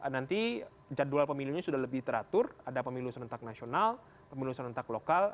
nanti jadwal pemilunya sudah lebih teratur ada pemilu serentak nasional pemilu serentak lokal